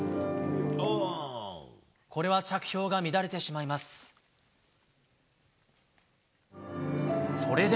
これは着氷が乱れてしまいます。